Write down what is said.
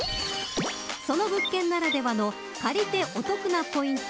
その物件ならではの借りてお得なポイント